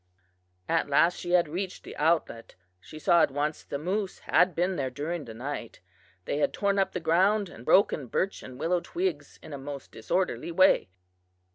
"At last she had reached the outlet. She saw at once that the moose had been there during the night. They had torn up the ground and broken birch and willow twigs in a most disorderly way."